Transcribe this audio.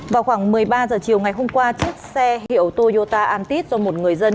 vào khoảng một mươi ba h chiều ngày hôm qua chiếc xe hiệu toyota antit do một người dân